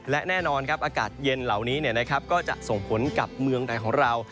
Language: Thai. และแน่นอนครับอากาศเย็นเหล่านี้ก็จะส่งผลกับเมืองใดของเรา